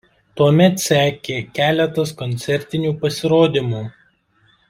Tuomet sekė keletas koncertinių pasirodymų.